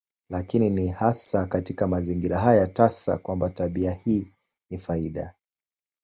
Lakini ni hasa katika mazingira haya tasa kwamba tabia hii ni faida.